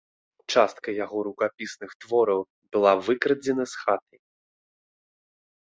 Частка яго рукапісных твораў была выкрадзена з хаты.